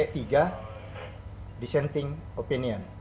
keterangan p dua dan p tiga dissenting opinion